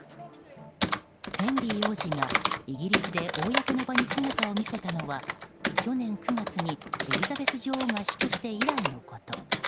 ヘンリー王子が、イギリスで公の場に姿を見せたのは去年９月に、エリザベス女王が死去して以来のこと。